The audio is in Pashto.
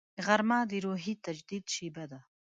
غرمه د روحي تجدید شیبه ده